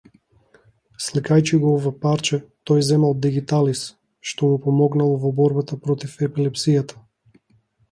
Сликајќи го ова парче, тој земал дигиталис, што му помагало во бората против епилепсијата.